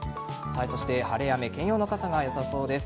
晴れ雨兼用の傘がよさそうです。